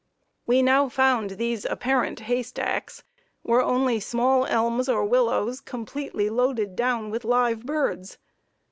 We now found these apparent haystacks were only small elms or willows completely loaded down with live birds.